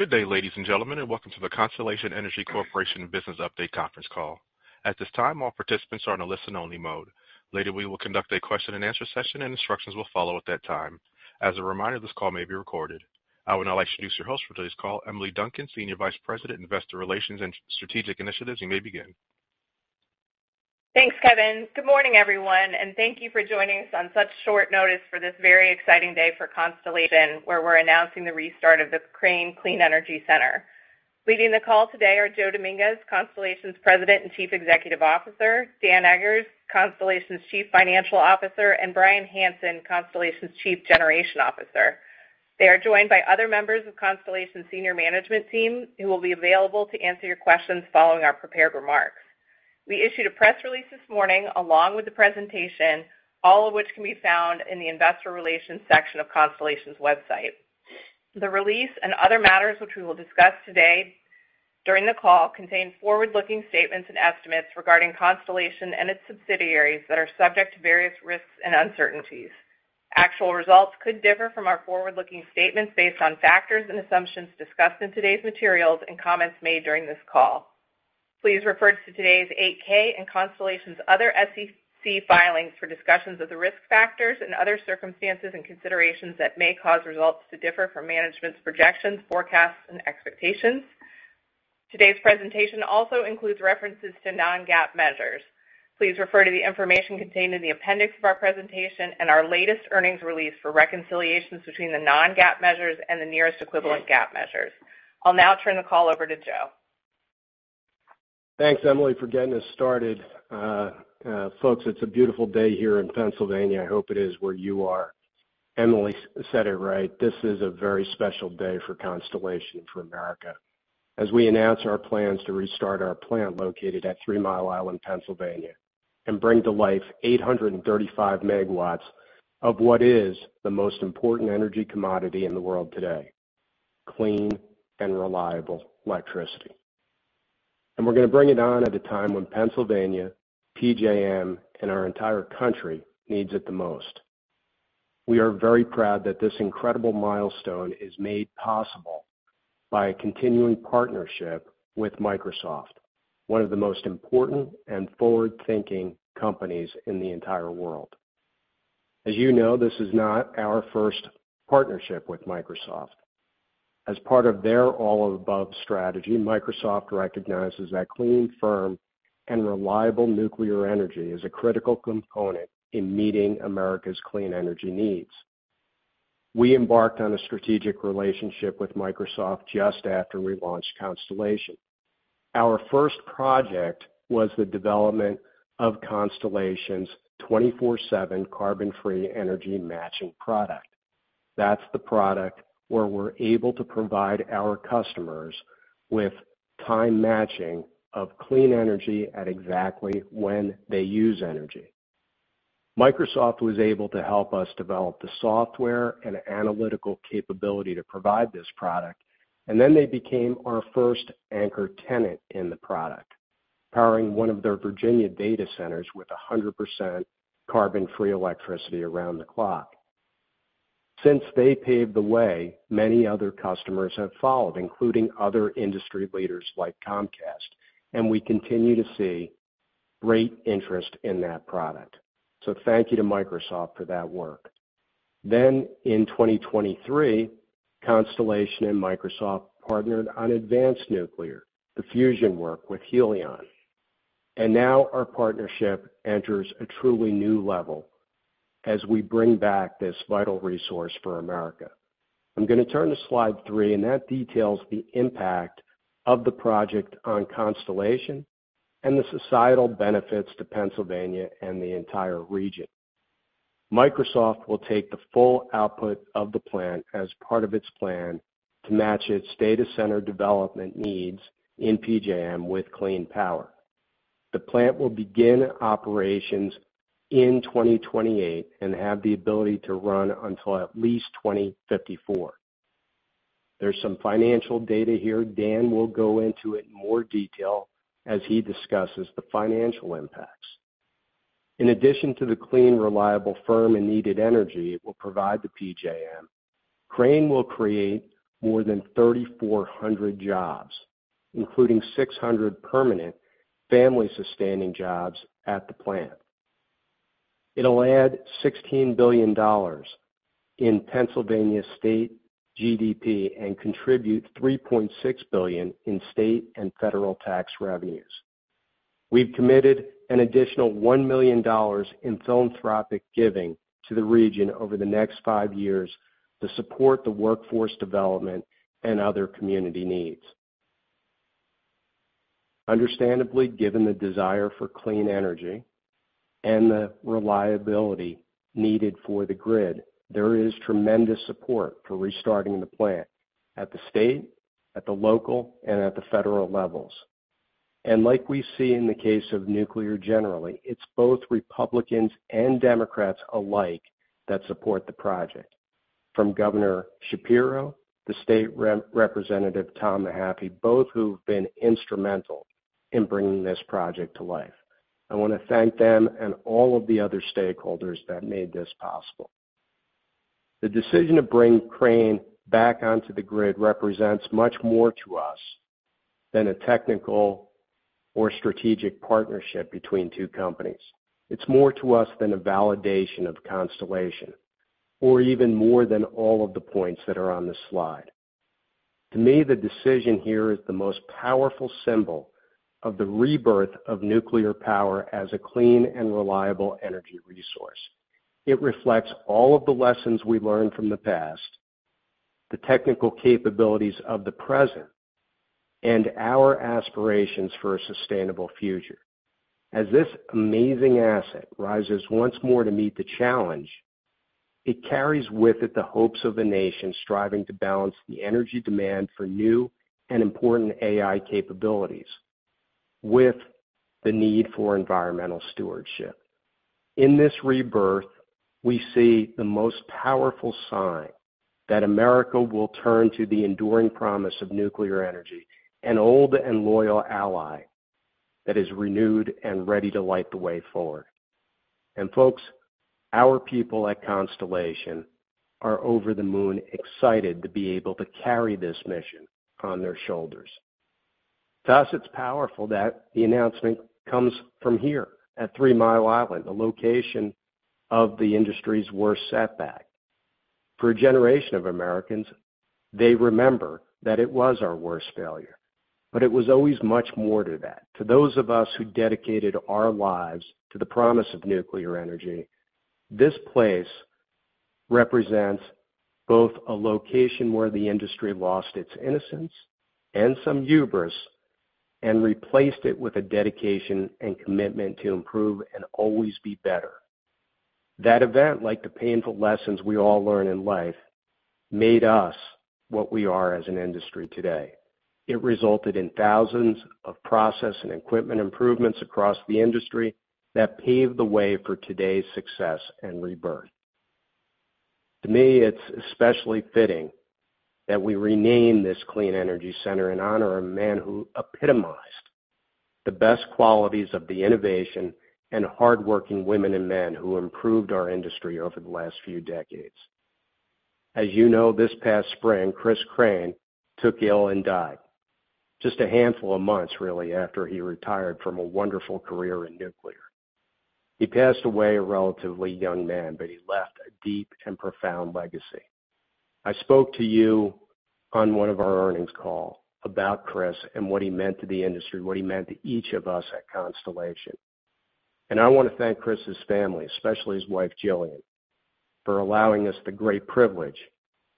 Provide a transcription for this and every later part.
Good day, ladies and gentlemen, and welcome to the Constellation Energy Corporation business update conference call. At this time, all participants are on a listen-only mode. Later, we will conduct a question-and-answer session, and instructions will follow at that time. As a reminder, this call may be recorded. I would now like to introduce your host for today's call, Emily Duncan, Senior Vice President, Investor Relations and Strategic Initiatives. You may begin. Thanks, Kevin. Good morning, everyone, and thank you for joining us on such short notice for this very exciting day for Constellation, where we're announcing the restart of the Crane Clean Energy Center. Leading the call today are Joe Dominguez, Constellation's President and Chief Executive Officer, Dan Eggers, Constellation's Chief Financial Officer, and Bryan Hanson, Constellation's Chief Generation Officer. They are joined by other members of Constellation senior management team, who will be available to answer your questions following our prepared remarks. We issued a press release this morning, along with the presentation, all of which can be found in the investor relations section of Constellation's website. The release and other matters which we will discuss today during the call contain forward-looking statements and estimates regarding Constellation and its subsidiaries that are subject to various risks and uncertainties. Actual results could differ from our forward-looking statements based on factors and assumptions discussed in today's materials and comments made during this call. Please refer to today's 8-K and Constellation's other SEC filings for discussions of the risk factors and other circumstances and considerations that may cause results to differ from management's projections, forecasts, and expectations. Today's presentation also includes references to non-GAAP measures. Please refer to the information contained in the Appendix of our presentation and our latest earnings release for reconciliations between the non-GAAP measures and the nearest equivalent GAAP measures. I'll now turn the call over to Joe. Thanks, Emily, for getting us started. Folks, it's a beautiful day here in Pennsylvania. I hope it is where you are. Emily said it right. This is a very special day for Constellation, for America, as we announce our plans to restart our plant located at Three Mile Island, Pennsylvania, and bring to life 835 megawatts of what is the most important energy commodity in the world today: clean and reliable electricity, and we're gonna bring it on at a time when Pennsylvania, PJM, and our entire country needs it the most. We are very proud that this incredible milestone is made possible by a continuing partnership with Microsoft, one of the most important and forward-thinking companies in the entire world. As you know, this is not our first partnership with Microsoft. As part of their all-of-above strategy, Microsoft recognizes that clean, firm, and reliable nuclear energy is a critical component in meeting America's clean energy needs. We embarked on a strategic relationship with Microsoft just after we launched Constellation. Our first project was the development of Constellation's 24/7 carbon-free energy matching product. That's the product where we're able to provide our customers with time matching of clean energy at exactly when they use energy. Microsoft was able to help us develop the software and analytical capability to provide this product, and then they became our first anchor tenant in the product, powering one of their Virginia data centers with 100% carbon-free electricity around the clock. Since they paved the way, many other customers have followed, including other industry leaders like Comcast, and we continue to see great interest in that product. Thank you to Microsoft for that work. In 2023, Constellation and Microsoft partnered on advanced nuclear, the fusion work with Helion, and now our partnership enters a truly new level as we bring back this vital resource for America. I'm gonna turn to slide three, and that details the impact of the project on Constellation and the societal benefits to Pennsylvania and the entire region. Microsoft will take the full output of the plant as part of its plan to match its data center development needs in PJM with clean power. The plant will begin operations in twenty twenty-eight and have the ability to run until at least 2034. There's some financial data here. Dan will go into it in more detail as he discusses the financial impacts. In addition to the clean, reliable, firm, and needed energy it will provide to PJM, Crane will create more than 3,400 jobs, including 600 permanent family-sustaining jobs at the plant. It'll add $16 billion in Pennsylvania state GDP and contribute $3.6 billion in State and Federal Tax Revenues. We've committed an additional $1 million in philanthropic giving to the region over the next five years to support the workforce development and other community needs. Understandably, given the desire for clean energy and the reliability needed for the grid, there is tremendous support for restarting the plant at the state, at the local, and at the federal levels. And like we see in the case of nuclear, generally, it's both Republicans and Democrats alike that support the project, from Governor Shapiro, the state representative, Tom Mehaffie, both who've been instrumental in bringing this project to life... I want to thank them and all of the other stakeholders that made this possible. The decision to bring Crane back onto the grid represents much more to us than a technical or strategic partnership between two companies. It's more to us than a validation of Constellation, or even more than all of the points that are on this slide. To me, the decision here is the most powerful symbol of the rebirth of nuclear power as a clean and reliable energy resource. It reflects all of the lessons we learned from the past, the technical capabilities of the present, and our aspirations for a sustainable future. As this amazing asset rises once more to meet the challenge, it carries with it the hopes of a nation striving to balance the energy demand for new and important AI capabilities, with the need for environmental stewardship. In this rebirth, we see the most powerful sign that America will turn to the enduring promise of nuclear energy, an old and loyal ally that is renewed and ready to light the way forward. And folks, our people at Constellation are over the moon, excited to be able to carry this mission on their shoulders. Thus, it's powerful that the announcement comes from here at Three Mile Island, the location of the industry's worst setback. For a generation of Americans, they remember that it was our worst failure, but it was always much more than that. To those of us who dedicated our lives to the promise of nuclear energy, this place represents both a location where the industry lost its innocence and some hubris, and replaced it with a dedication and commitment to improve and always be better. That event, like the painful lessons we all learn in life, made us what we are as an industry today. It resulted in thousands of process and equipment improvements across the industry that paved the way for today's success and rebirth. To me, it's especially fitting that we rename this clean energy center in honor of a man who epitomized the best qualities of the innovation and hardworking women and men who improved our industry over the last few decades. As you know, this past spring, Chris Crane took ill and died just a handful of months, really, after he retired from a wonderful career in nuclear. He passed away a relatively young man, but he left a deep and profound legacy. I spoke to you on one of our earnings call about Chris and what he meant to the industry, what he meant to each of us at Constellation, and I want to thank Chris's family, especially his wife, Jillian, for allowing us the great privilege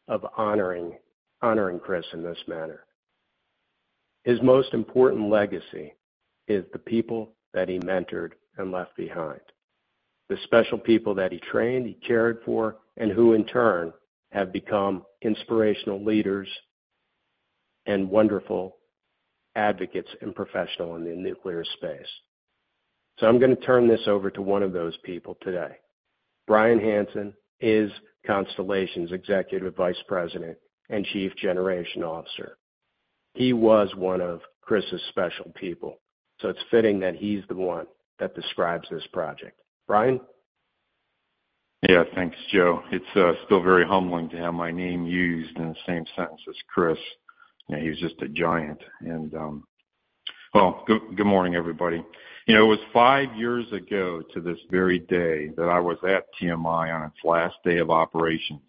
of honoring Chris in this manner. His most important legacy is the people that he mentored and left behind, the special people that he trained, he cared for, and who, in turn, have become inspirational leaders and wonderful advocates and professional in the nuclear space. I'm going to turn this over to one of those people today. Bryan Hanson is Constellation's Executive Vice President and Chief Generation Officer. He was one of Chris's special people, so it's fitting that he's the one that describes this project. Bryan? Yeah, thanks, Joe. It's still very humbling to have my name used in the same sentence as Chris. He was just a giant and... Well, good, good morning, everybody. You know, it was five years ago to this very day, that I was at TMI on its last day of operations,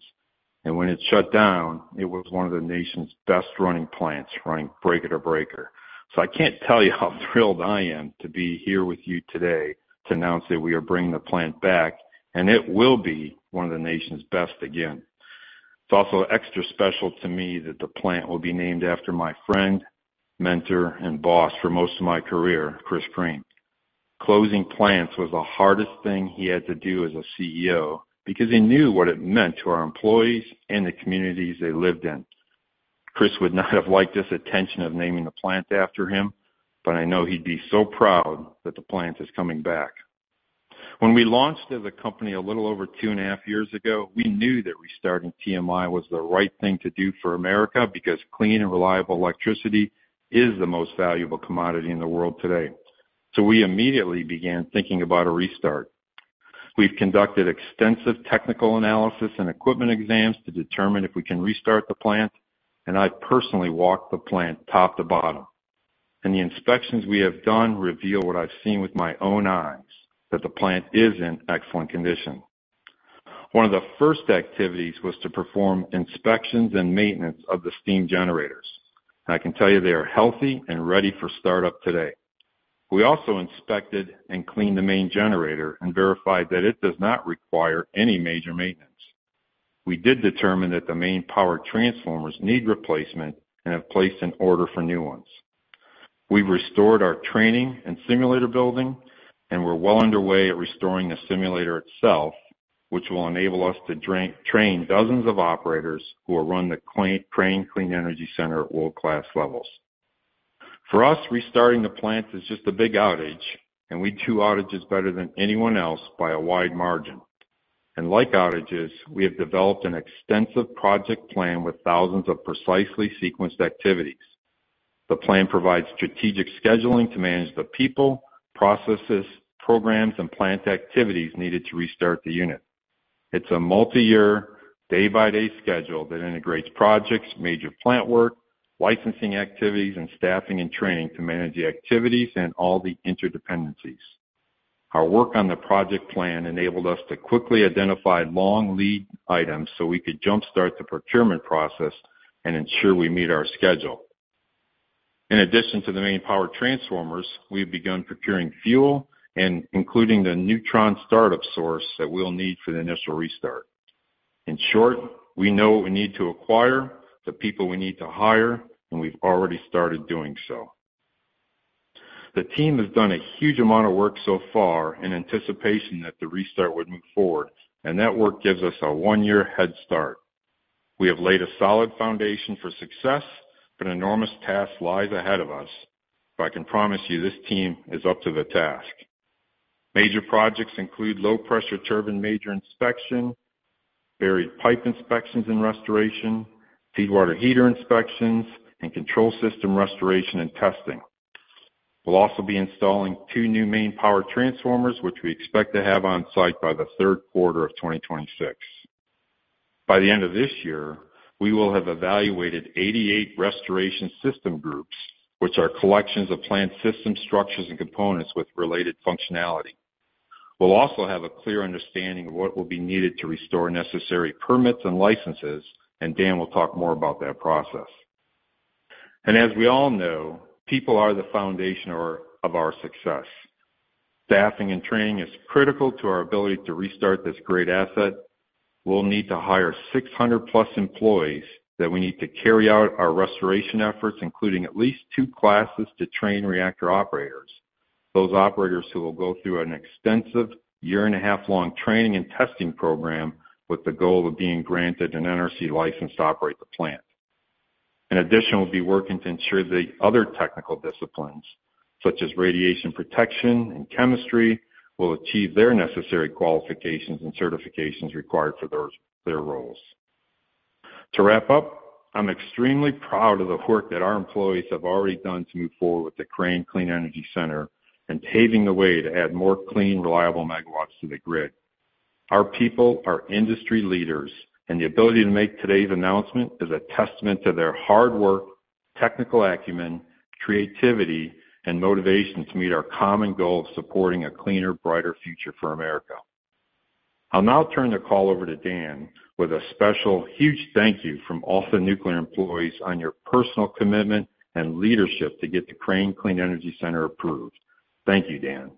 and when it shut down, it was one of the nation's best running plants, running breaker-to-breaker. So I can't tell you how thrilled I am to be here with you today to announce that we are bringing the plant back, and it will be one of the nation's best again. It's also extra special to me that the plant will be named after my friend, mentor, and boss for most of my career, Chris Crane. Closing plants was the hardest thing he had to do as a CEO because he knew what it meant to our employees and the communities they lived in. Chris would not have liked this attention of naming the plant after him, but I know he'd be so proud that the plant is coming back. When we launched as a company a little over two and a half years ago, we knew that restarting TMI was the right thing to do for America, because clean and reliable electricity is the most valuable commodity in the world today. So we immediately began thinking about a restart. We've conducted extensive technical analysis and equipment exams to determine if we can restart the plant, and I personally walked the plant top to bottom, and the inspections we have done reveal what I've seen with my own eyes, that the plant is in excellent condition. One of the first activities was to perform inspections and maintenance of the steam generators. I can tell you they are healthy and ready for startup today. We also inspected and cleaned the main generator and verified that it does not require any major maintenance. We did determine that the main power transformers need replacement and have placed an order for new ones. We've restored our training and simulator building, and we're well underway at restoring the simulator itself, which will enable us to train dozens of operators who will run the Crane Clean Energy Center at world-class levels. For us, restarting the plant is just a big outage, and we do outages better than anyone else by a wide margin. And like outages, we have developed an extensive project plan with thousands of precisely sequenced activities. The plan provides strategic scheduling to manage the people, processes, programs, and plant activities needed to restart the unit. It's a multi-year, day-by-day schedule that integrates projects, major plant work, licensing activities, and staffing and training to manage the activities and all the interdependencies. Our work on the project plan enabled us to quickly identify long lead items so we could jumpstart the procurement process and ensure we meet our schedule. In addition to the main power transformers, we've begun procuring fuel and including the neutron startup source that we'll need for the initial restart. In short, we know what we need to acquire, the people we need to hire, and we've already started doing so. The team has done a huge amount of work so far in anticipation that the restart would move forward, and that work gives us a one-year head start. We have laid a solid foundation for success, but an enormous task lies ahead of us. But I can promise you, this team is up to the task. Major projects include low-pressure turbine major inspection, buried pipe inspections and restoration, feedwater heater inspections, and control system restoration and testing. We'll also be installing two new main power transformers, which we expect to have on-site by the third quarter of 2026. By the end of this year, we will have evaluated 88 restoration system groups, which are collections of plant systems, structures, and components with related functionality. We'll also have a clear understanding of what will be needed to restore necessary permits and licenses, and Dan will talk more about that process. And as we all know, people are the foundation of our success. Staffing and training is critical to our ability to restart this great asset. We'll need to hire 600+ employees that we need to carry out our restoration efforts, including at least two classes to train reactor operators. Those operators who will go through an extensive year-and-a-half-long training and testing program with the goal of being granted an NRC license to operate the plant. In addition, we'll be working to ensure the other technical disciplines, such as radiation protection and chemistry, will achieve their necessary qualifications and certifications required for those, their roles. To wrap up, I'm extremely proud of the work that our employees have already done to move forward with the Crane Clean Energy Center and paving the way to add more clean, reliable megawatts to the grid. Our people are industry leaders, and the ability to make today's announcement is a testament to their hard work, technical acumen, creativity, and motivation to meet our common goal of supporting a cleaner, brighter future for America. I'll now turn the call over to Dan with a special huge thank you from all the nuclear employees on your personal commitment and leadership to get the Crane Clean Energy Center approved. Thank you, Dan.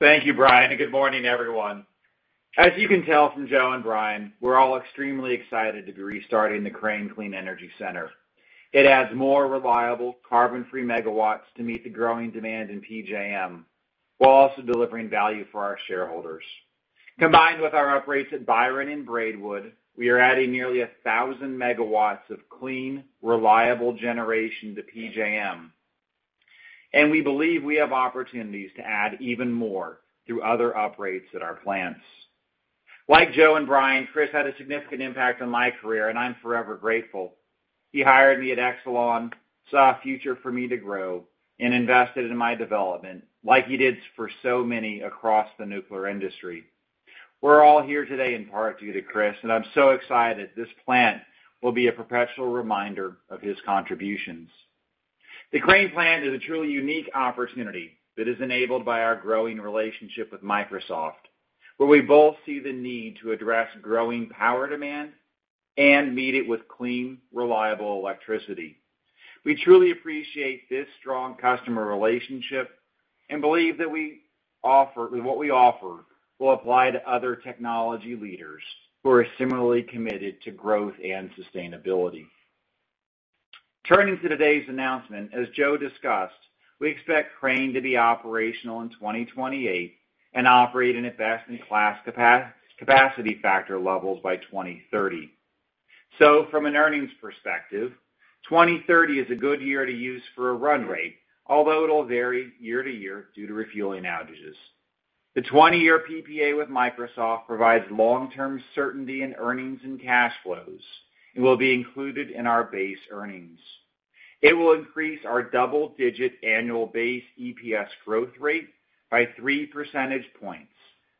Thank you, Bryan, and good morning, everyone. As you can tell from Joe and Bryan, we're all extremely excited to be restarting the Crane Clean Energy Center. It adds more reliable, carbon-free megawatts to meet the growing demand in PJM, while also delivering value for our shareholders. Combined with our uprates at Byron and Braidwood, we are adding nearly a thousand megawatts of clean, reliable generation to PJM, and we believe we have opportunities to add even more through other uprates at our plants. Like Joe and Bryan, Chris had a significant impact on my career, and I'm forever grateful. He hired me at Exelon, saw a future for me to grow, and invested in my development, like he did for so many across the nuclear industry. We're all here today in part due to Chris, and I'm so excited this plant will be a perpetual reminder of his contributions. The Crane plant is a truly unique opportunity that is enabled by our growing relationship with Microsoft, where we both see the need to address growing power demand and meet it with clean, reliable electricity. We truly appreciate this strong customer relationship and believe that what we offer will apply to other technology leaders who are similarly committed to growth and sustainability. Turning to today's announcement, as Joe discussed, we expect Crane to be operational in 2028 and operating at best-in-class capacity factor levels by 2030. So from an earnings perspective, 2030 is a good year to use for a run rate, although it'll vary year-to-year due to refueling outages. The 20-year PPA with Microsoft provides long-term certainty in earnings and cash flows and will be included in our base earnings. It will increase our double-digit annual base EPS growth rate by three percentage points,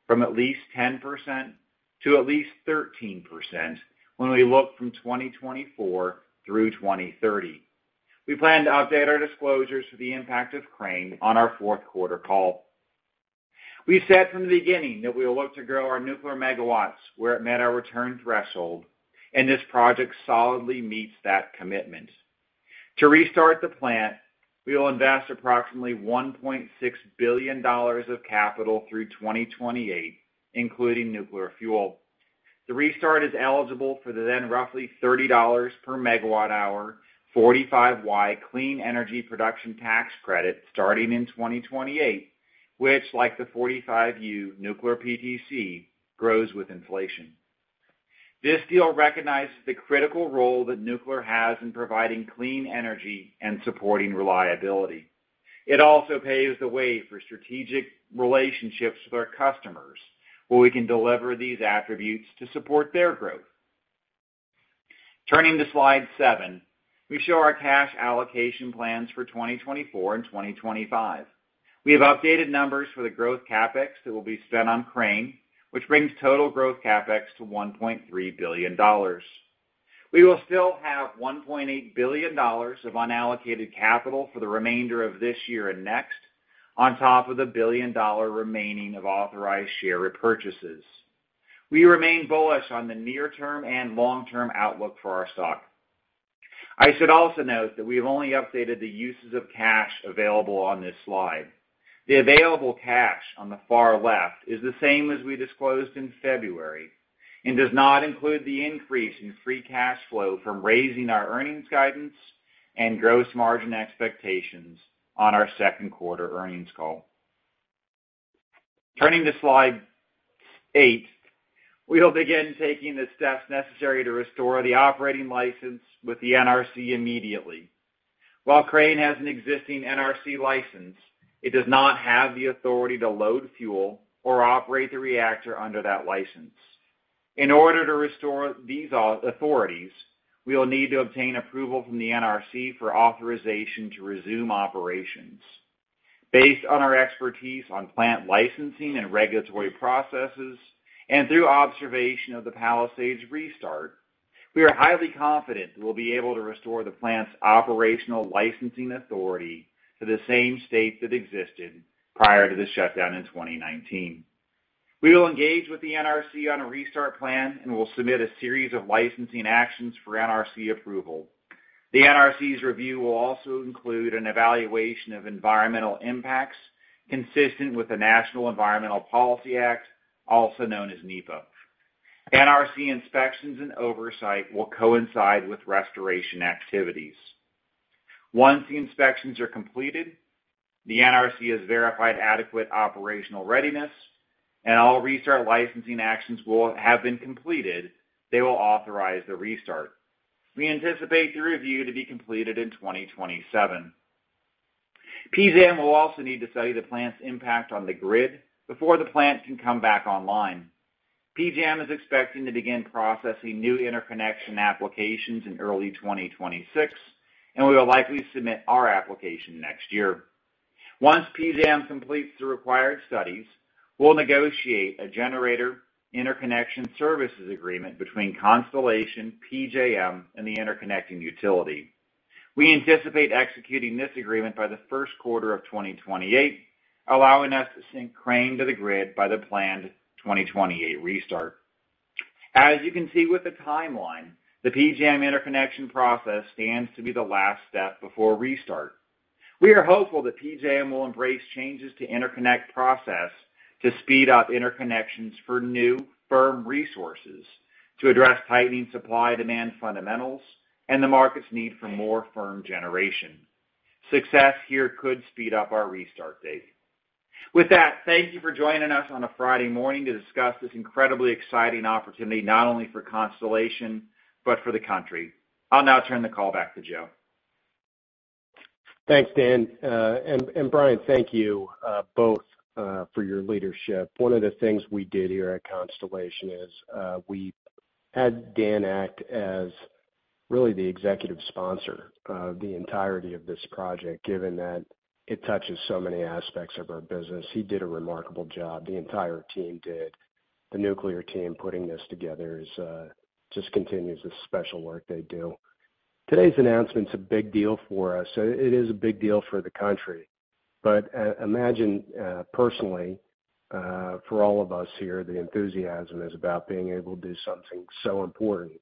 from at least 10% to at least 13% when we look from 2024 through 2030. We plan to update our disclosures for the impact of Crane on our fourth quarter call. We've said from the beginning that we will look to grow our nuclear megawatts where it met our return threshold, and this project solidly meets that commitment. To restart the plant, we will invest approximately $1.6 billion of capital through 2028, including nuclear fuel. The restart is eligible for the then roughly $30/MWh, 45Y clean energy production tax credit starting in 2028, which, like the 45U nuclear PTC, grows with inflation. This deal recognizes the critical role that nuclear has in providing clean energy and supporting reliability. It also paves the way for strategic relationships with our customers, where we can deliver these attributes to support their growth. Turning to slide seven, we show our cash allocation plans for 2024 and 2025. We have updated numbers for the growth CapEx that will be spent on Crane, which brings total growth CapEx to $1.3 billion. We will still have $1.8 billion of unallocated capital for the remainder of this year and next, on top of the $1 billion remaining of authorized share repurchases. We remain bullish on the near-term and long-term outlook for our stock. I should also note that we have only updated the uses of cash available on this slide. The available cash on the far left is the same as we disclosed in February, and does not include the increase in free cash flow from raising our earnings guidance and gross margin expectations on our second quarter earnings call. Turning to slide eight, we will begin taking the steps necessary to restore the operating license with the NRC immediately. While Crane has an existing NRC license, it does not have the authority to load fuel or operate the reactor under that license. In order to restore these authorities, we will need to obtain approval from the NRC for authorization to resume operations. Based on our expertise on plant licensing and regulatory processes, and through observation of the Palisades restart, we are highly confident that we'll be able to restore the plant's operational licensing authority to the same state that existed prior to the shutdown in 2019. We will engage with the NRC on a restart plan, and we'll submit a series of licensing actions for NRC approval. The NRC's review will also include an evaluation of environmental impacts consistent with the National Environmental Policy Act, also known as NEPA. NRC inspections and oversight will coincide with restoration activities. Once the inspections are completed, the NRC has verified adequate operational readiness, and all restart licensing actions will have been completed, they will authorize the restart. We anticipate the review to be completed in twenty twenty-seven. PJM will also need to study the plant's impact on the grid before the plant can come back online. PJM is expecting to begin processing new interconnection applications in early twenty twenty-six, and we will likely submit our application next year. Once PJM completes the required studies, we'll negotiate a generator interconnection services agreement between Constellation, PJM, and the interconnecting utility. We anticipate executing this agreement by the first quarter of 2028, allowing us to sync Crane to the grid by the planned 2028 restart. As you can see with the timeline, the PJM interconnection process stands to be the last step before restart. We are hopeful that PJM will embrace changes to interconnection process to speed up interconnections for new firm resources, to address tightening supply-demand fundamentals and the market's need for more firm generation. Success here could speed up our restart date. With that, thank you for joining us on a Friday morning to discuss this incredibly exciting opportunity, not only for Constellation, but for the country. I'll now turn the call back to Joe. Thanks, Dan. And Bryan, thank you both for your leadership. One of the things we did here at Constellation is we had Dan act as really the executive sponsor of the entirety of this project, given that it touches so many aspects of our business. He did a remarkable job. The entire team did. The nuclear team putting this together just continues the special work they do. Today's announcement's a big deal for us. So it is a big deal for the country. But imagine personally for all of us here, the enthusiasm is about being able to do something so important,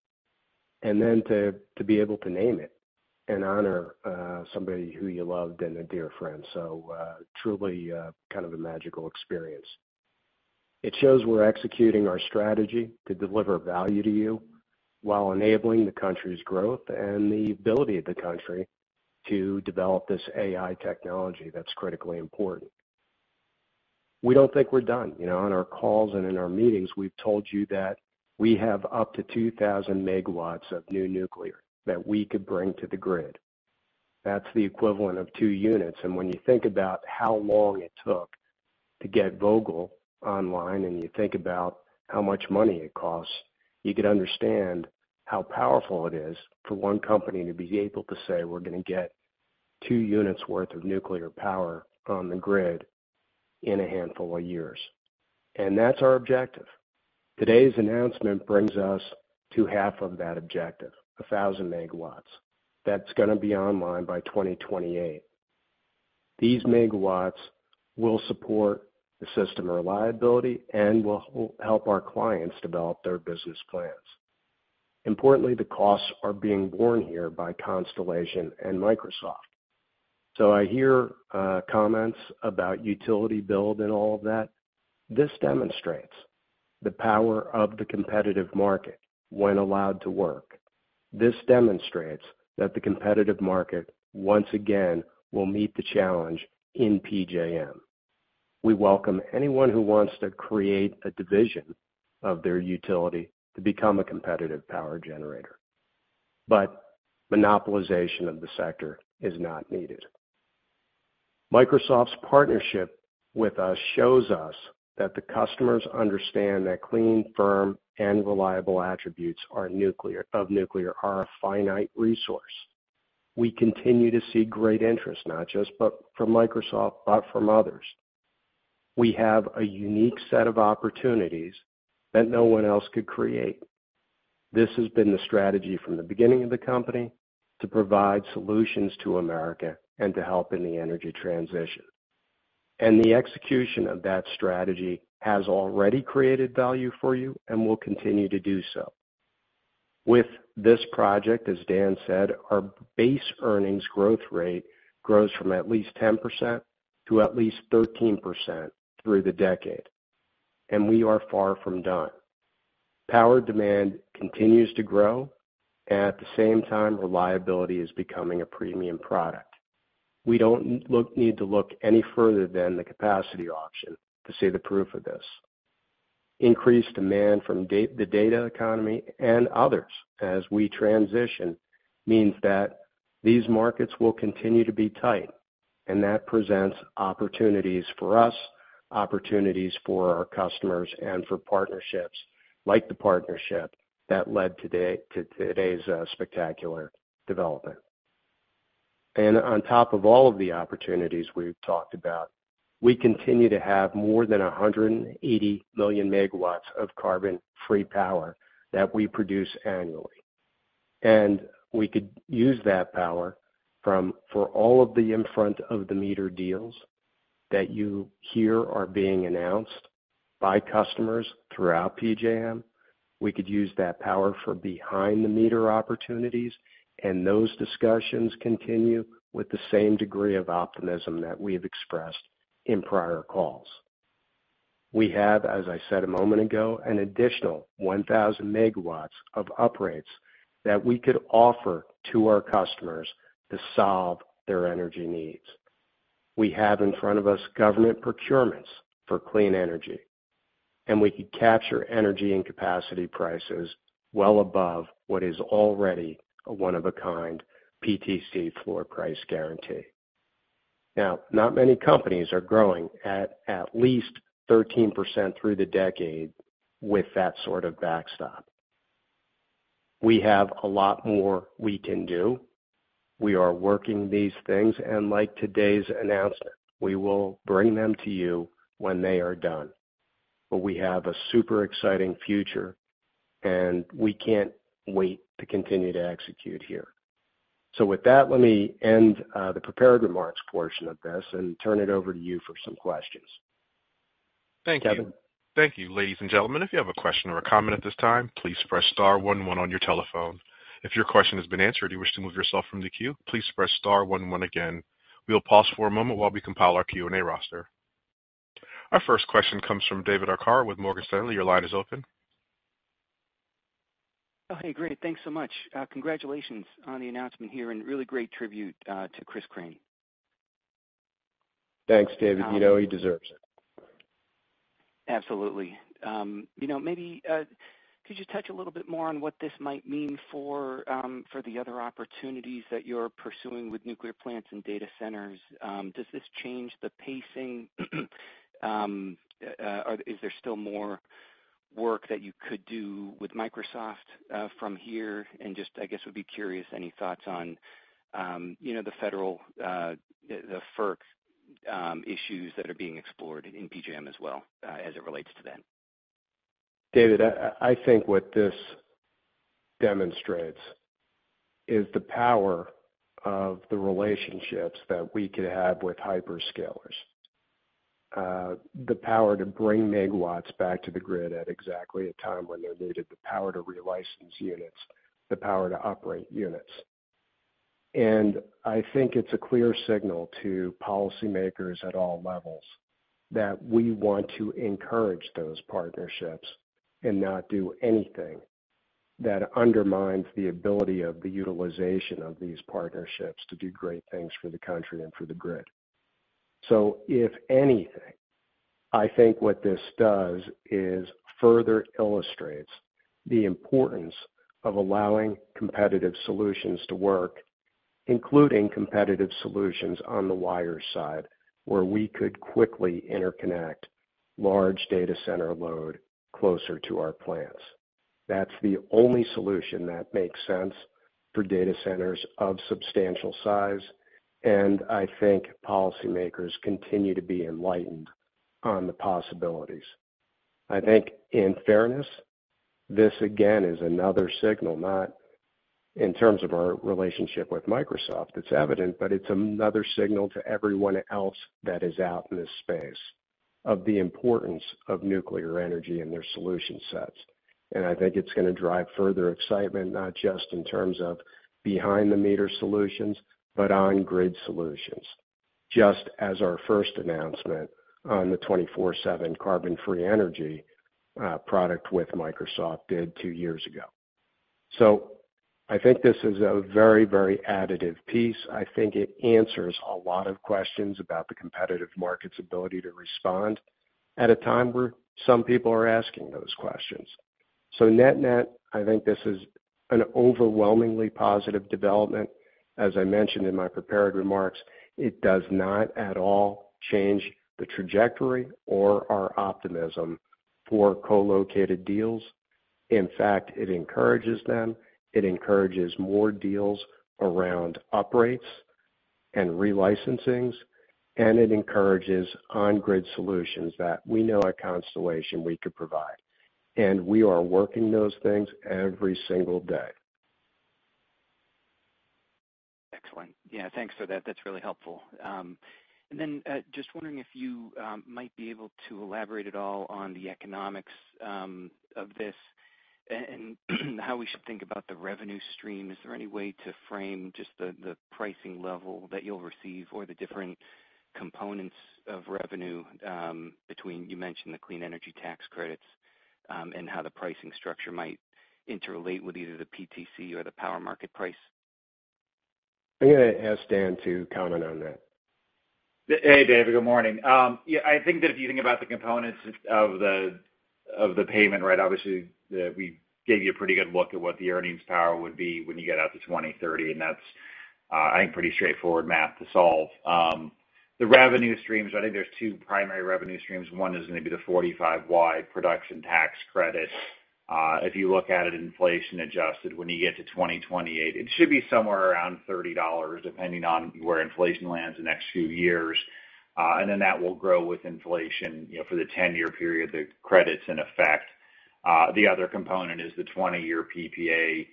and then to be able to name it and honor somebody who you loved and a dear friend. So truly kind of a magical experience. It shows we're executing our strategy to deliver value to you while enabling the country's growth and the ability of the country to develop this AI technology that's critically important. We don't think we're done. You know, on our calls and in our meetings, we've told you that we have up to two thousand megawatts of new nuclear that we could bring to the grid. That's the equivalent of two units, and when you think about how long it took to get Vogtle online, and you think about how much money it costs, you can understand how powerful it is for one company to be able to say, "We're gonna get two units worth of nuclear power on the grid in a handful of years," and that's our objective. Today's announcement brings us to half of that objective, a thousand megawatts. That's gonna be online by 2028. These megawatts will support the system reliability and will help our clients develop their business plans. Importantly, the costs are being borne here by Constellation and Microsoft. So I hear comments about utility build and all of that. This demonstrates the power of the competitive market when allowed to work. This demonstrates that the competitive market, once again, will meet the challenge in PJM. We welcome anyone who wants to create a division of their utility to become a competitive power generator, but monopolization of the sector is not needed. Microsoft's partnership with us shows us that the customers understand that clean, firm, and reliable attributes of nuclear are a finite resource. We continue to see great interest, not just from Microsoft, but from others. We have a unique set of opportunities that no one else could create. This has been the strategy from the beginning of the company, to provide solutions to America and to help in the energy transition. And the execution of that strategy has already created value for you and will continue to do so. With this project, as Dan said, our base earnings growth rate grows from at least 10% to at least 13% through the decade, and we are far from done. Power demand continues to grow, and at the same time, reliability is becoming a premium product. We don't need to look any further than the capacity auction to see the proof of this. Increased demand from the data economy and others as we transition means that these markets will continue to be tight, and that presents opportunities for us, opportunities for our customers, and for partnerships like the partnership that led to today's spectacular development. On top of all of the opportunities we've talked about, we continue to have more than 180 million MWh of carbon-free power that we produce annually, and we could use that power for all of the in front of the meter deals that you hear are being announced by customers throughout PJM. We could use that power for behind the meter opportunities, and those discussions continue with the same degree of optimism that we have expressed in prior calls. We have, as I said a moment ago, an additional one thousand megawatts of uprates that we could offer to our customers to solve their energy needs. We have in front of us government procurements for clean energy, and we could capture energy and capacity prices well above what is already a one-of-a-kind PTC floor price guarantee. Now, not many companies are growing at least 13% through the decade with that sort of backstop. We have a lot more we can do. We are working these things, and like today's announcement, we will bring them to you when they are done. But we have a super exciting future, and we can't wait to continue to execute here. So with that, let me end the prepared remarks portion of this and turn it over to you for some questions. Thank you. Kevin? Thank you. Ladies and gentlemen, if you have a question or a comment at this time, please press star one one on your telephone. If your question has been answered and you wish to move yourself from the queue, please press star one one again. We'll pause for a moment while we compile our Q&A roster. Our first question comes from David Arcaro with Morgan Stanley. Your line is open. Oh, hey, great. Thanks so much. Congratulations on the announcement here, and really great tribute to Chris Crane. Thanks, David. You know he deserves it. Absolutely. You know, maybe could you touch a little bit more on what this might mean for the other opportunities that you're pursuing with nuclear plants and data centers? Does this change the pacing? Is there still more work that you could do with Microsoft from here? And just, I guess, would be curious, any thoughts on you know, the federal, the FERC issues that are being explored in PJM as well, as it relates to them? David, I think what this demonstrates is the power of the relationships that we could have with hyperscalers. The power to bring megawatts back to the grid at exactly a time when they're needed, the power to relicense units, the power to operate units. And I think it's a clear signal to policymakers at all levels that we want to encourage those partnerships and not do anything that undermines the ability of the utilization of these partnerships to do great things for the country and for the grid. So if anything, I think what this does is further illustrates the importance of allowing competitive solutions to work, including competitive solutions on the wire side, where we could quickly interconnect large data center load closer to our plants. That's the only solution that makes sense for data centers of substantial size, and I think policymakers continue to be enlightened on the possibilities. I think, in fairness, this again, is another signal, not in terms of our relationship with Microsoft, it's evident, but it's another signal to everyone else that is out in this space of the importance of nuclear energy and their solution sets. And I think it's gonna drive further excitement, not just in terms of behind-the-meter solutions, but on grid solutions, just as our first announcement on the 24/7 carbon-free energy product with Microsoft did two years ago. So I think this is a very, very additive piece. I think it answers a lot of questions about the competitive market's ability to respond at a time where some people are asking those questions. So net-net, I think this is an overwhelmingly positive development. As I mentioned in my prepared remarks, it does not at all change the trajectory or our optimism for co-located deals. In fact, it encourages them. It encourages more deals around uprates and relicensings, and it encourages on-grid solutions that we know at Constellation we could provide, and we are working those things every single day. Excellent. Yeah, thanks for that. That's really helpful. And then, just wondering if you might be able to elaborate at all on the economics of this and how we should think about the revenue stream. Is there any way to frame just the pricing level that you'll receive or the different components of revenue, between, you mentioned the clean energy tax credits, and how the pricing structure might interrelate with either the PTC or the power market price? I'm gonna ask Dan to comment on that. Hey, David, good morning. Yeah, I think that if you think about the components of the payment, right, obviously, we gave you a pretty good look at what the earnings power would be when you get out to 2030, and that's, I think, pretty straightforward math to solve. The revenue streams, I think there's two primary revenue streams. One is gonna be the 45Y production tax credit. If you look at it inflation-adjusted, when you get to 2028, it should be somewhere around $30, depending on where inflation lands the next few years. And then that will grow with inflation, you know, for the 10-year period, the credit's in effect. The other component is the 20-year PPA,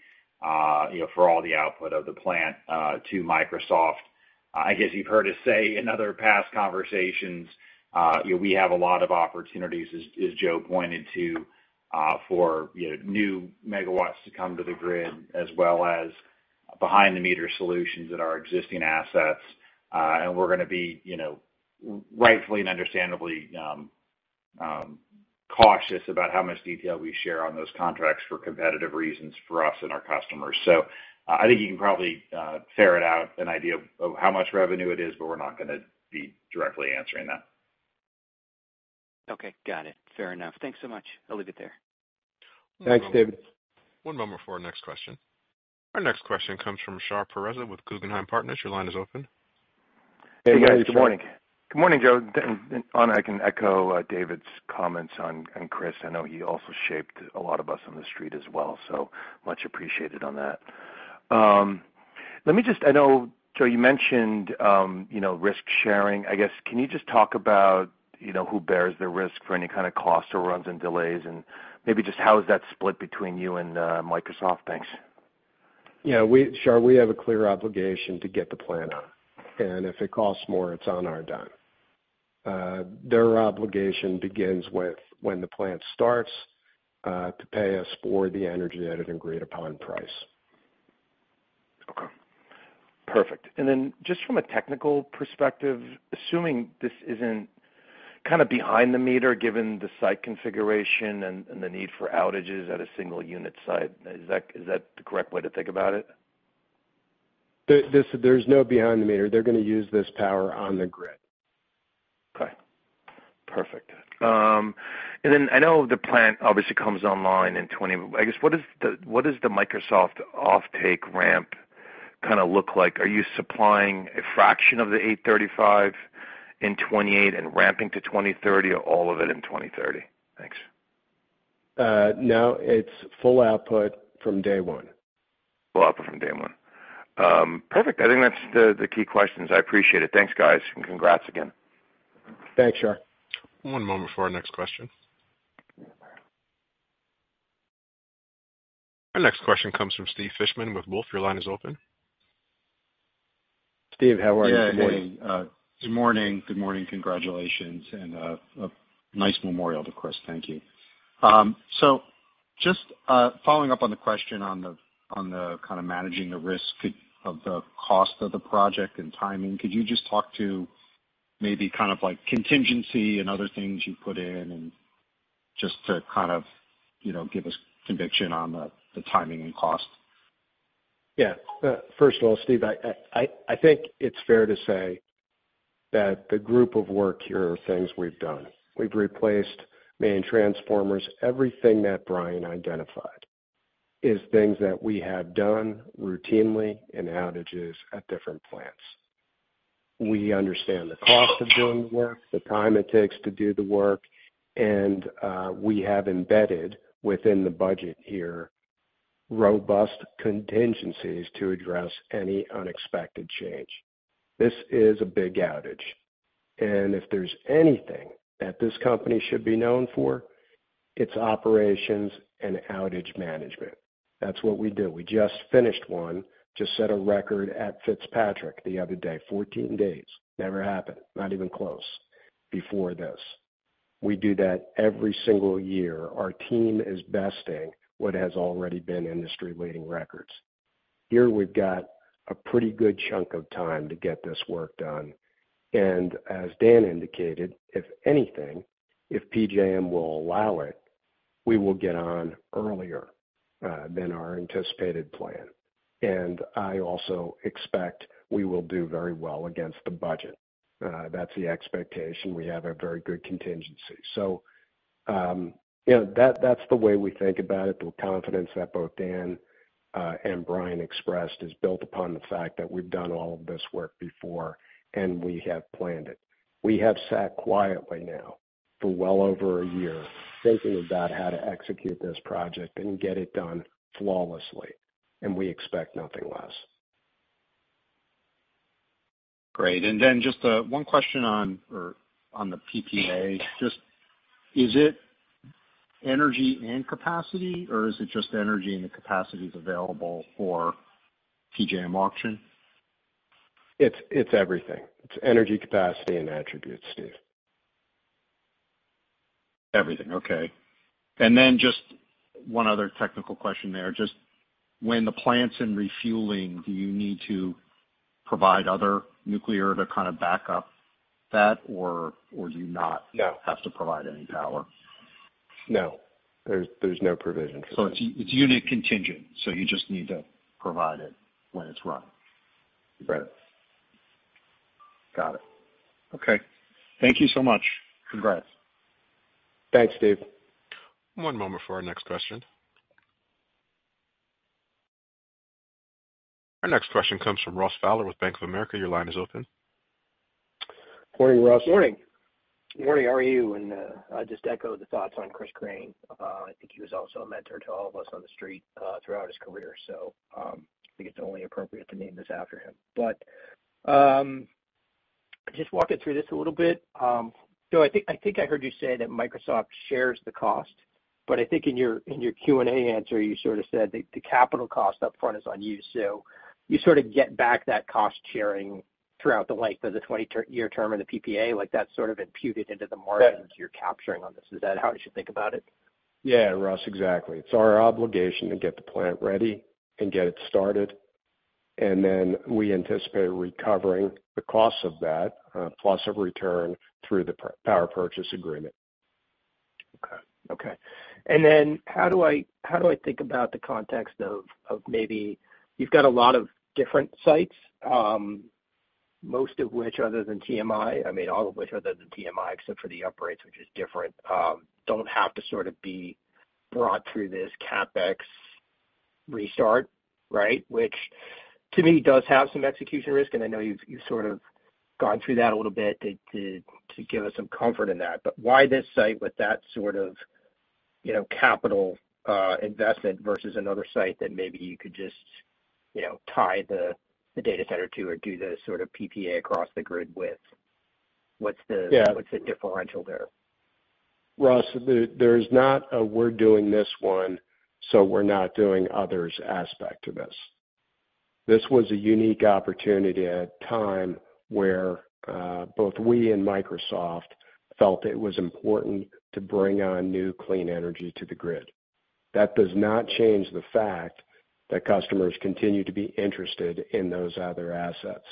you know, for all the output of the plant, to Microsoft. I guess you've heard us say in other past conversations, you know, we have a lot of opportunities, as, as Joe pointed to, for, you know, new megawatts to come to the grid, as well as behind-the-meter solutions at our existing assets, and we're gonna be, you know, rightfully and understandably, cautious about how much detail we share on those contracts for competitive reasons for us and our customers. So I think you can probably, figure out an idea of how much revenue it is, but we're not gonna be directly answering that. Okay, got it. Fair enough. Thanks so much. I'll leave it there. Thanks, David. One moment before our next question. Our next question comes from Shar Pourreza with Guggenheim Securities. Your line is open. Hey, guys, good morning. Good morning, Joe. And I can echo David's comments on and Chris, I know he also shaped a lot of us on the street as well, so much appreciated on that. Let me just. I know, Joe, you mentioned, you know, risk sharing. I guess, can you just talk about, you know, who bears the risk for any kind of cost overruns and delays, and maybe just how is that split between you and Microsoft? Thanks. Yeah, Shar, we have a clear obligation to get the plant on, and if it costs more, it's on our dime. Their obligation begins with when the plant starts to pay us for the energy at an agreed-upon price. Okay, perfect. And then just from a technical perspective, assuming this isn't kind of behind the meter, given the site configuration and the need for outages at a single unit site, is that the correct way to think about it? There's no behind the meter. They're gonna use this power on the grid. Okay, perfect. Then I know the plant obviously comes online in 2027. I guess, what is the Microsoft offtake ramp kinda look like? Are you supplying a fraction of the 835 in 2028 and ramping to 2030 or all of it in 2030? Thanks. No, it's full output from day one. Full output from day one. Perfect. I think that's the key questions. I appreciate it. Thanks, guys, and congrats again. Thanks, Shar. One moment before our next question. Our next question comes from Steve Fleishman with Wolfe. Your line is open. Steve, how are you? Yeah, good morning. Good morning. Good morning, congratulations, and a nice memorial to Chris. Thank you. So just following up on the question on the kind of managing the risk of the cost of the project and timing, could you just talk to maybe kind of like contingency and other things you put in and just to kind of, you know, give us conviction on the timing and cost? Yeah. First of all, Steve, I think it's fair to say that the group of work here are things we've done. We've replaced main transformers. Everything that Bryan identified is things that we have done routinely in outages at different plants. We understand the cost of doing the work, the time it takes to do the work, and we have embedded within the budget here, robust contingencies to address any unexpected change. This is a big outage, and if there's anything that this company should be known for, it's operations and outage management. That's what we do. We just finished one to set a record at FitzPatrick the other day, 14 days. Never happened, not even close before this. We do that every single year. Our team is besting what has already been industry-leading records. Here, we've got a pretty good chunk of time to get this work done. And as Dan indicated, if anything, if PJM will allow it, we will get on earlier than our anticipated plan. And I also expect we will do very well against the budget. That's the expectation. We have a very good contingency. So, you know, that, that's the way we think about it. The confidence that both Dan and Bryan expressed is built upon the fact that we've done all of this work before, and we have planned it. We have sat quietly now for well over a year, thinking about how to execute this project and get it done flawlessly, and we expect nothing less. Great. And then just one question on, or on the PPA. Just, is it energy and capacity, or is it just energy and the capacities available for PJM auction? It's everything. It's energy, capacity, and attributes, Steve. Everything. Okay. And then just one other technical question there. Just when the plant's in refueling, do you need to provide other nuclear to kind of back up that, or, or do you not- No. have to provide any power? No, there's no provision for that. It's unit contingent, so you just need to provide it when it's running. Right. Got it. Okay. Thank you so much. Congrats. Thanks, Steve. One moment for our next question. Our next question comes from Ross Fowler with Bank of America. Your line is open. Morning, Ross. Morning. Morning, how are you? And I just echo the thoughts on Chris Crane. I think he was also a mentor to all of us on the street throughout his career. So I think it's only appropriate to name this after him. But just walking through this a little bit. So I think I heard you say that Microsoft shares the cost, but I think in your Q&A answer, you sort of said the capital cost up front is on you. So you sort of get back that cost sharing throughout the life of the twenty-year term and the PPA, like that's sort of imputed into the margins- Yeah. You're capturing on this. Is that how I should think about it? Yeah, Ross, exactly. It's our obligation to get the plant ready and get it started, and then we anticipate recovering the costs of that, plus a return through the power purchase agreement. Okay. Okay. And then how do I think about the context of maybe you've got a lot of different sites, most of which, other than TMI, I mean, all of which other than TMI, except for the upgrades, which is different, don't have to sort of be brought through this CapEx restart, right? Which to me does have some execution risk, and I know you've sort of gone through that a little bit to give us some comfort in that. But why this site with that sort of, you know, capital investment versus another site that maybe you could just, you know, tie the data center to or do the sort of PPA across the grid with? What's the- Yeah. What's the differential there? Ross, there's not a we're doing this one, so we're not doing others aspect to this. This was a unique opportunity at a time where both we and Microsoft felt it was important to bring on new clean energy to the grid. That does not change the fact that customers continue to be interested in those other assets.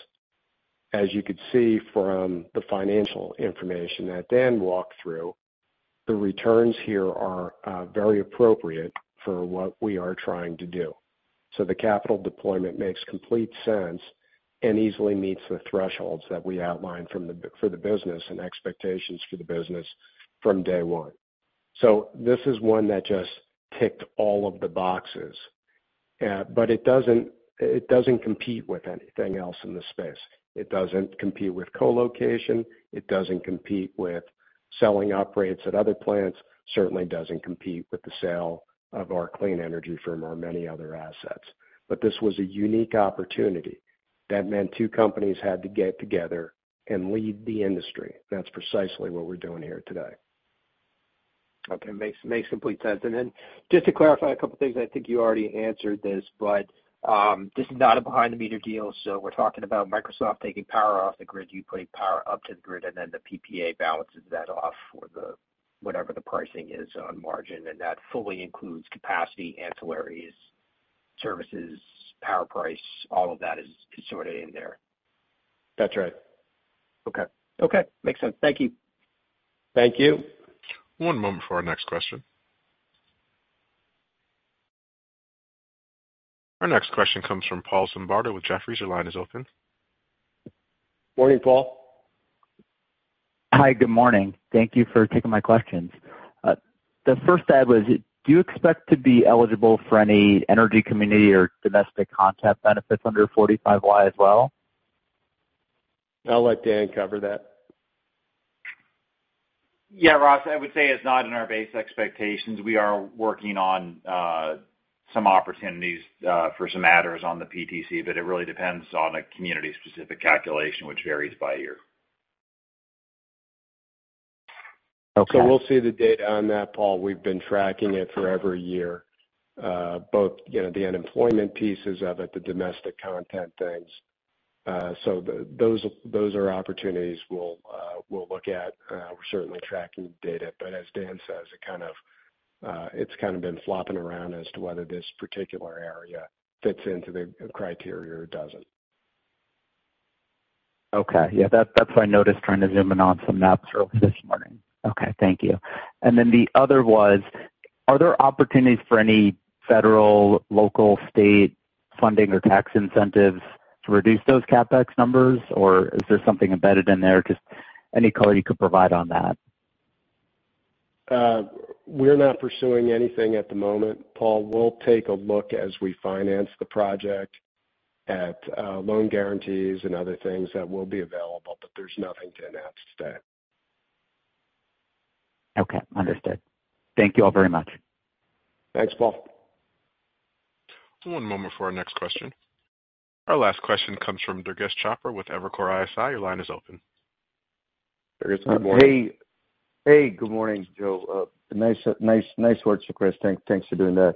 As you could see from the financial information that Dan walked through, the returns here are very appropriate for what we are trying to do. So the capital deployment makes complete sense and easily meets the thresholds that we outlined from the beginning for the business and expectations for the business from day one. So this is one that just ticked all of the boxes. But it doesn't compete with anything else in the space. It doesn't compete with colocation, it doesn't compete with selling power at other plants, certainly doesn't compete with the sale of our clean energy from our many other assets. But this was a unique opportunity that meant two companies had to get together and lead the industry. That's precisely what we're doing here today. Okay. Makes complete sense. And then just to clarify a couple things, I think you already answered this, but this is not a behind-the-meter deal, so we're talking about Microsoft taking power off the grid, you putting power up to the grid, and then the PPA balances that off for the... whatever the pricing is on margin, and that fully includes capacity, ancillaries, services, power price, all of that is sort of in there. That's right. Okay. Okay, makes sense. Thank you. Thank you. One moment for our next question. Our next question comes from Paul Zimbardo with Jefferies. Your line is open. Morning, Paul. Hi, good morning. Thank you for taking my questions. The first I had was, do you expect to be eligible for any energy community or domestic content benefits under 45Y as well? I'll let Dan cover that. Yeah, Ross, I would say it's not in our base expectations. We are working on some opportunities for some matters on the PTC, but it really depends on a community-specific calculation, which varies by year. Okay. So we'll see the data on that, Paul. We've been tracking it for every year, both, you know, the unemployment pieces of it, the domestic content things. Those are opportunities we'll look at. We're certainly tracking data, but as Dan says, it kind of, it's kind of been flopping around as to whether this particular area fits into the criteria or doesn't. Okay. Yeah, that, that's what I noticed trying to zoom in on some maps early this morning. Okay, thank you. And then the other was, are there opportunities for any federal, local, state funding or tax incentives to reduce those CapEx numbers, or is there something embedded in there? Just any color you could provide on that. We're not pursuing anything at the moment, Paul. We'll take a look as we finance the project at loan guarantees and other things that will be available, but there's nothing to announce today. Okay, understood. Thank you all very much. Thanks, Paul. One moment for our next question. Our last question comes from Durgesh Chopra with Evercore ISI. Your line is open. Durgesh, good morning. Hey, hey, good morning, Joe. Nice words to Chris. Thanks for doing that.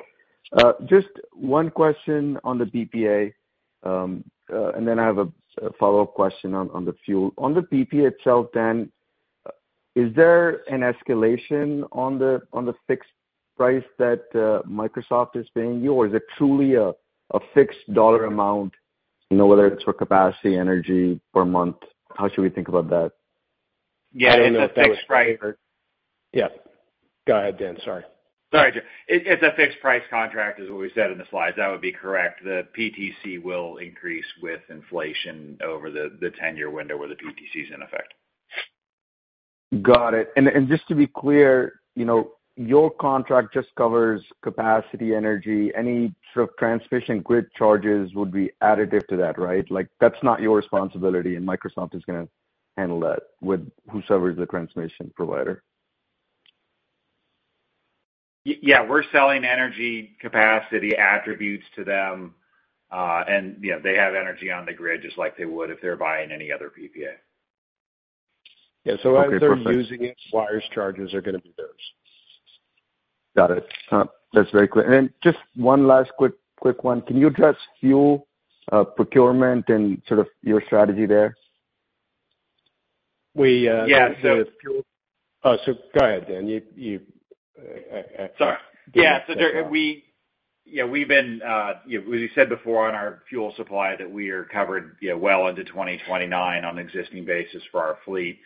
Just one question on the PPA, and then I have a follow-up question on the fuel. On the PPA itself then, is there an escalation on the fixed price that Microsoft is paying you? Or is it truly a fixed dollar amount, you know, whether it's for capacity, energy per month? How should we think about that? Yeah, it's a fixed price- Yeah. Go ahead, Dan. Sorry. Sorry, Joe. It's a fixed price contract, is what we said in the slides. That would be correct. The PTC will increase with inflation over the ten-year window where the PTC is in effect. Got it. And just to be clear, you know, your contract just covers capacity, energy. Any sort of transmission grid charges would be additive to that, right? Like, that's not your responsibility, and Microsoft is gonna handle that with whosoever is the transmission provider. Yeah, we're selling energy capacity attributes to them, and you know, they have energy on the grid, just like they would if they're buying any other PPA. Yeah, so as they're using it, wire charges are gonna be theirs. Got it. That's very clear. And then just one last quick one. Can you address fuel procurement and sort of your strategy there? We, uh- Yeah, so- Oh, so go ahead, Dan, you... Sorry. Yeah, so we've been, you know, as we said before on our fuel supply, that we are covered, you know, well into 2029 on an existing basis for our fleet.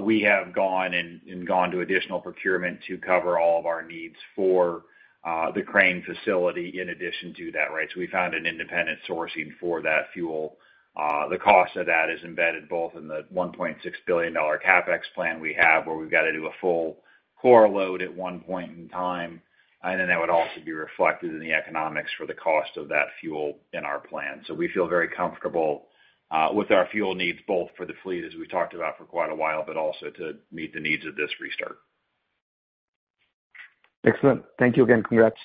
We have gone to additional procurement to cover all of our needs for the Crane facility in addition to that, right? So we found an independent sourcing for that fuel. The cost of that is embedded both in the $1.6 billion CapEx plan we have, where we've got to do a full core load at one point in time, and then that would also be reflected in the economics for the cost of that fuel in our plan. So we feel very comfortable with our fuel needs, both for the fleet, as we talked about for quite a while, but also to meet the needs of this restart. Excellent. Thank you again. Congrats.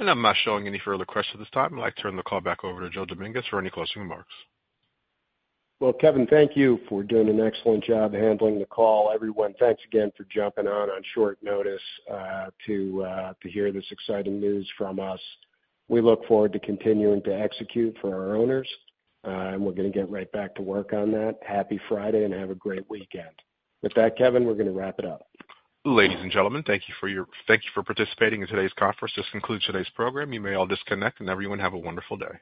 I'm not showing any further questions at this time. I'd like to turn the call back over to Joe Dominguez for any closing remarks. Well, Kevin, thank you for doing an excellent job handling the call. Everyone, thanks again for jumping on short notice to hear this exciting news from us. We look forward to continuing to execute for our owners, and we're gonna get right back to work on that. Happy Friday, and have a great weekend. With that, Kevin, we're gonna wrap it up. Ladies and gentlemen, thank you for participating in today's conference. This concludes today's program. You may all disconnect, and everyone, have a wonderful day.